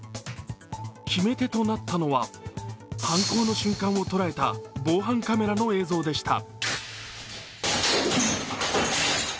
決め手となったのは犯行の瞬間を捉えた防犯カメラの映像でした。